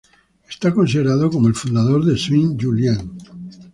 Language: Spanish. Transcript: Es considerado como el fundador de Sainte-Julienne.